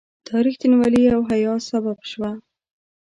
دا رښتینولي او حیا سبب شوه.